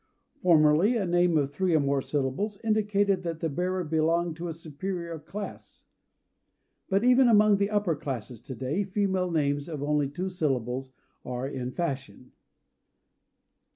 Formerly a name of three or more syllables indicated that the bearer belonged to a superior class. But, even among the upper classes to day, female names of only two syllables are in fashion.